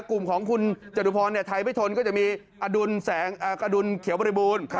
กลุ่มของคุณจตุพรไทยไม่ทนก็จะมีอดุลแสงอดุลเขียวบริบูรณ์